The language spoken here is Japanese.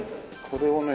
これをね